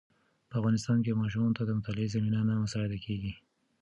په افغانستان کې ماشومانو ته د مطالعې زمینه نه مساعده کېږي.